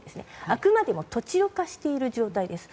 あくまでも土地を貸している状態です。